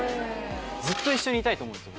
ずっと一緒にいたいと思うんです